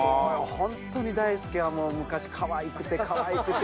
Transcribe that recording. ホントに大輔は昔かわいくてかわいくて。